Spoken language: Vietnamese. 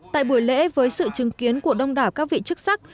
tại buổi lễ với sự chứng kiến của đông đảo các vị chức sắc